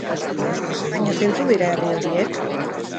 Baina zeintzuk dira herri horiek?